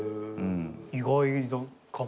意外かも。